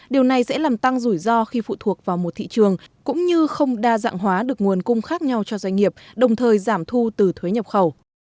điều này sẽ làm tăng rủi ro khi phụ thuộc vào một thị trường cũng như không đa dạng hóa được nguồn cung khác nhau cho doanh nghiệp đồng thời giảm thu từ thuế nhập khẩu